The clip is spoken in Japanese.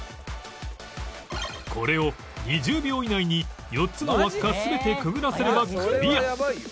これを２０秒以内に４つの輪っか全てくぐらせればクリア